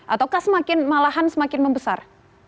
ataukah semakin malahan semakin membesar